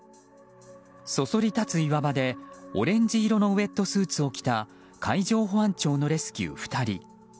そそり立つ岩場でオレンジ色のウェットスーツを着た海上保安庁のレスキュー２人。